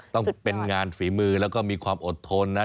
ต้องเป็นงานฝีมือแล้วก็มีความอดทนนะ